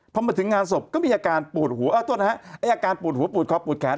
พอมาถึงงานศพก็มีอาการปวดหัวโทษนะฮะไอ้อาการปวดหัวปูดคอปูดแขน